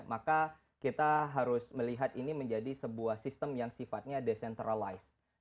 maka kita harus melihat ini menjadi sebuah sistem yang sifatnya decentralized